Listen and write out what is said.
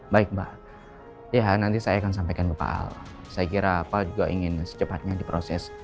baik mbak ya nanti saya akan sampaikan ke pak al saya kira pak juga ingin secepatnya diproses